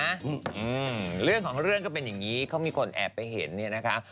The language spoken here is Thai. อืมเรื่องของเรื่องก็เป็นอย่างงี้เขามีคนแอบไปเห็นเนี่ยนะคะ